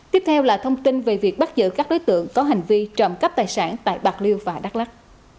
tiếp theo là thông tin về việc bắt giữ các đối tượng có hành vi trộm cắp tài sản tại bạc liêu và đắk lắc